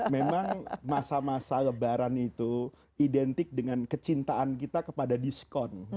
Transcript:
memang masa masa lebaran itu identik dengan kecintaan kita kepada diskon